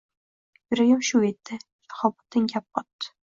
Yuragim shuv etdi. Shahobiddin gap qotdi: